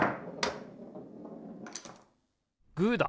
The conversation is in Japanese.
グーだ！